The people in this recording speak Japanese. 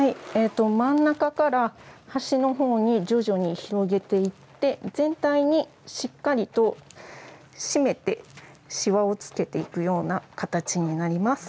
真ん中から端のほうに徐々に広げていって全体にしっかりと締めてしわをつけていくような形です。